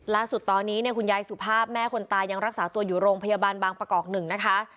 ล่าสุดตอนนี้เนี่ยคุณยายสุภาพแม่คนตายังรักษาตัวอยู่โรงพยาบาลบางประกอบ๑นะคะ